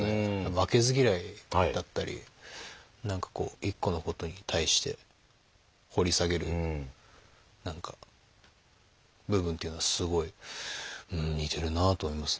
負けず嫌いだったり何かこう一個のことに対して掘り下げる部分というのはすごい似てるなぁと思いますね。